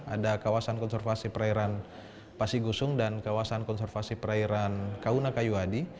ada kawasan konservasi perairan pasigusung dan kawasan konservasi perairan kauna kayu hadi